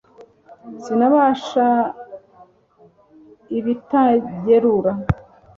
sinabasha ibitagerura